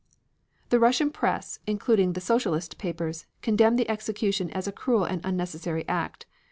The Russian press, including the Socialist papers, condemned the execution as a cruel and unnecessary act.